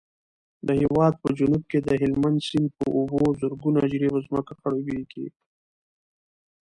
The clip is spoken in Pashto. د هېواد په جنوب کې د هلمند سیند په اوبو زرګونه جریبه ځمکه خړوبېږي.